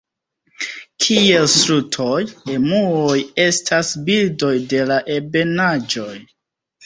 Kiel strutoj, emuoj estas birdoj de la ebenaĵoj.